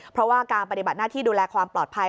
เพราะว่าการปฏิบัติหน้าที่ดูแลความปลอดภัย